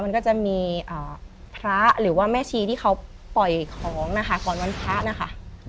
มันก็จะมีพระหรือว่าแม่ชีที่เขาปล่อยของนะคะก่อนวันพระนะคะ